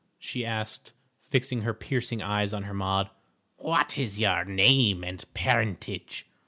she asked, fixing her piercing eyes on Hermod. "What is your name and parentage?